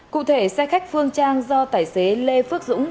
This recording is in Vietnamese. cụ thể xe khách phương trang do tài xế lê phước dũng